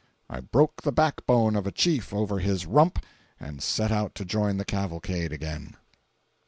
I broke the back bone of a Chief over his rump and set out to join the cavalcade again.